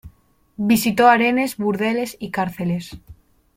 Visitó harenes, burdeles y cárceles.